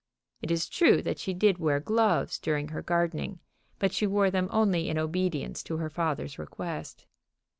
It is true that she did wear gloves during her gardening, but she wore them only in obedience to her father's request.